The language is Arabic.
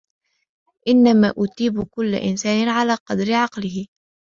إنَّمَا أُثِيبُ كُلَّ إنْسَانٍ عَلَى قَدْرِ عَقْلِهِ